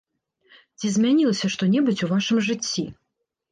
Ці змянілася што-небудзь у вашым жыцці?